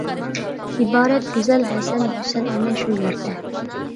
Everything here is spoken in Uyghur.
ئىبارەت گۈزەل ھەسەن-ھۈسەن ئەنە شۇ يەردە.